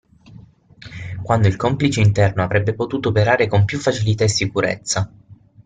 Quando il complice interno avrebbe potuto operare con più facilità e sicurezza.